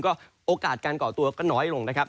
ก็โอกาสการก่อตัวก็น้อยลงนะครับ